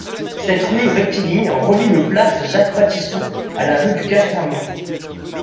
Cette rue, rectiligne, relie le place Jacques-Patissou à la rue du Casterneau.